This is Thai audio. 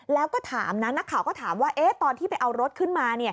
แล้วก็ถามนะนักข่าวก็ถามว่าตอนที่ไปเอารถขึ้นมา